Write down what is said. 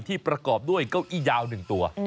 ประกอบด้วยเก้าอี้ยาว๑ตัว